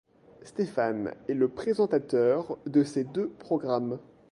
Stéphane est le présentateur de ces deux programmes.